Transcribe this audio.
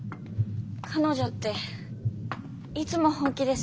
彼女っていつも本気ですよね。